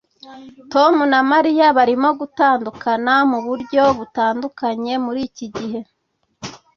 tom na mariya barimo gutandukana muburyo butandukanye muri iki gihe